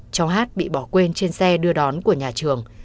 cháu hát bị bỏ quên trên xe đưa đón của nhà trường